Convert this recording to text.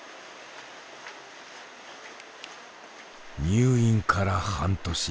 入院から半年。